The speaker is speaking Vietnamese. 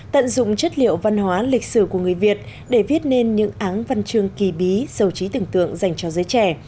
tận dụng chất liệu văn hóa lịch sử của người việt để viết nên những áng văn chương kỳ bí sầu trí tưởng tượng dành cho giới trẻ